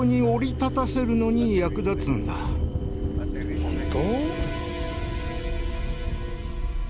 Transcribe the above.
本当？